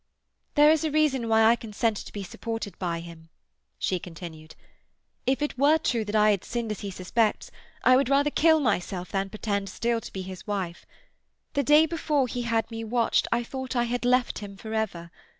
"There is a reason why I consent to be supported by him," she continued. "If it were true that I had sinned as he suspects I would rather kill myself than pretend still to be his wife. The day before he had me watched I thought I had left him forever.